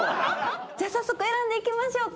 じゃあ早速選んでいきましょうか。